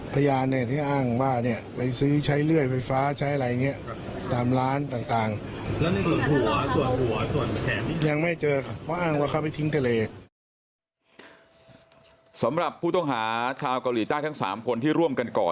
พยานเนี่ยที่อ้างว่าเนี่ยไปซื้อใช้เลื่อยไฟฟ้าใช้อะไรเนี่ย